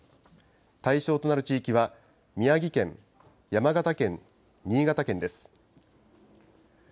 対象となる地域は、宮城県、山形県、新潟県です。